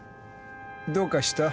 どうかした？